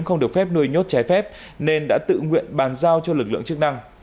không được phép nuôi nhốt trái phép nên đã tự nguyện bàn giao cho lực lượng chức năng